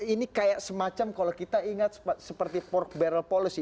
ini kayak semacam kalau kita ingat seperti port barrel policy